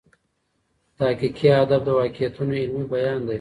تحقیقي ادب د واقعیتونو علمي بیان دئ.